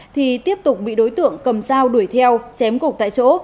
thì tiếp tục bị đối tượng cầm dao đuổi theo chém cục tại chỗ